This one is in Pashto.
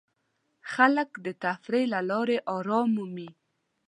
خلک د تفریح له لارې آرام مومي.